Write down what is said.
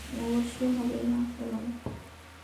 অবশ্য হবে না কেন?